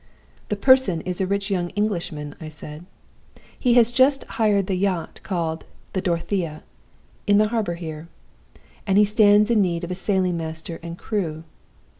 "'The person is a rich young Englishman,' I said. 'He has just hired the yacht called the Dorothea, in the harbor here; and he stands in need of a sailing master and a crew.